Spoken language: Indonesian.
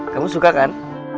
kamu suka kan